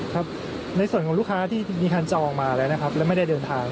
ครับในส่วนของลูกค้าที่มีการจองมาแล้วนะครับและไม่ได้เดินทาง